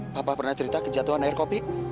bapak pernah cerita kejatuhan air kopi